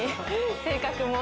性格も。